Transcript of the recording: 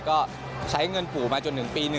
ก็ใช้เงินผูมาจน๑ปี๑